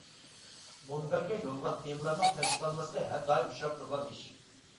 مۇنبەرگە يوللىغان تېمىلارنىڭ تەستىقلانماسلىقى ھەر دائىم ئۇچراپ تۇرىدىغان ئىش.